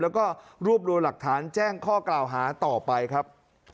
แล้วก็รวบรวมหลักฐานแจ้งข้อกล่าวหาต่อไปครับ